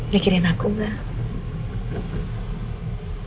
mikirin aku enggak